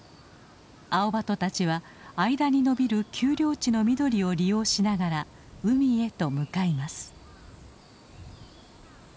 アオバトたちは間にのびる丘陵地の緑を利用しながら海へと向かいます。